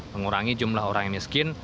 mengurangi jumlah orang yang miskin